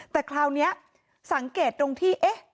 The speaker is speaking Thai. แต่คราวนี้สังเกตตรงที่เอ๊ะ